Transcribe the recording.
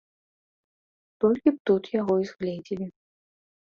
Толькі б тут яго й згледзелі.